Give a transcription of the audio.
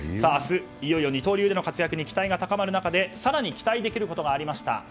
明日、いよいよ二刀流への期待が高まる中で、更に期待できることがありました。